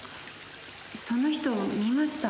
その人見ました。